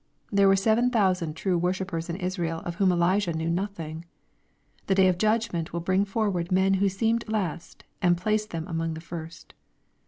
There were seven thousand true worshippers in Israel of whom Elijah knew nothing. The day of judgment will bring forward men who seemed last, and place them among the first.